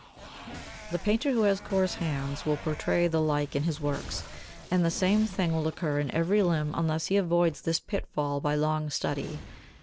77. That painter who has coarse hands will portray the like in his works, and the same thing will occur in every limb unless he avoids this pitfall by long study.